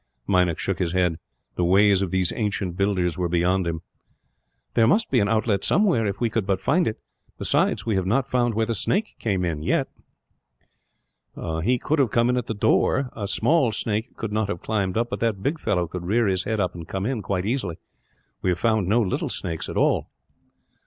Meinik shook his head. The ways of these ancient builders were beyond him. "There must be an outlet somewhere, if we could but find it. Besides, we have not found where the snake came in, yet." "He could have come in at the door, master. A small snake could not have climbed up, but that big fellow could rear his head up and come in, quite easily. We have found no little snakes at all."